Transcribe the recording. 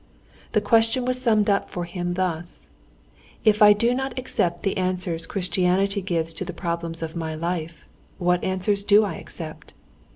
The question was summed up for him thus: "If I do not accept the answers Christianity gives to the problems of my life, what answers do I accept?"